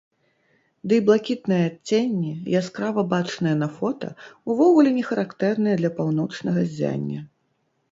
Дый блакітныя адценні, яскрава бачныя на фота, увогуле не характэрныя для паўночнага ззяння.